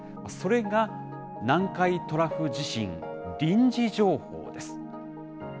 それが南海トラフ地震臨時情報です。